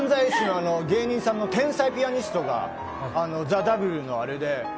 漫才師の芸人さんの天才ピアニストが『ＴＨＥＷ』のアレで。